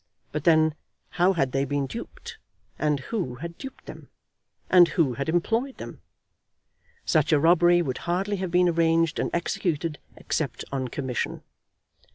But then how had they been duped, and who had duped them? And who had employed them? Such a robbery would hardly have been arranged and executed except on commission.